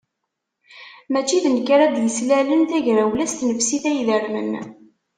Mačči d nekk ara d-yeslalen tagrawla s tnefsit-a idermen.